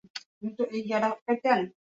কী করতে হবে তা তুমি জানো।